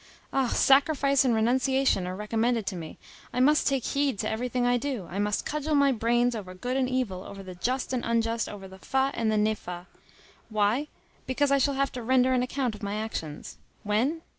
Ah! sacrifice and renunciation are recommended to me; I must take heed to everything I do; I must cudgel my brains over good and evil, over the just and the unjust, over the fas and the nefas. Why? Because I shall have to render an account of my actions. When?